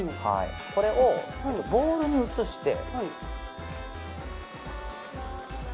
これをボウルに移して。